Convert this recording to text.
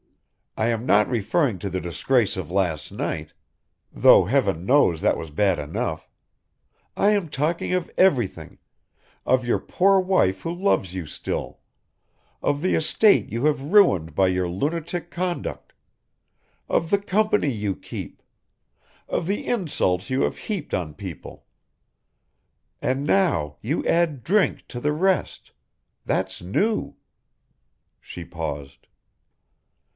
I am not referring to the disgrace of last night, though heaven knows that was bad enough, I am talking of everything, of your poor wife who loves you still, of the estate you have ruined by your lunatic conduct, of the company you keep, of the insults you have heaped on people and now you add drink to the rest. That's new." She paused.